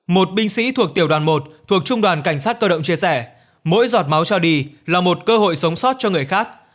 một binh sĩ thuộc tiểu đoàn một thuộc trung đoàn cảnh sát cơ động chia sẻ mỗi giọt máu cho đi là một cơ hội sống sót cho người khác